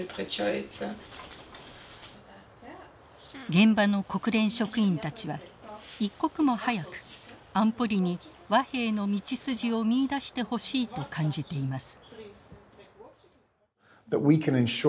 現場の国連職員たちは一刻も早く安保理に和平の道筋を見いだしてほしいと感じています。